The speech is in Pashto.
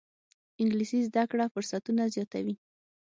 انګلیسي زده کړه فرصتونه زیاتوي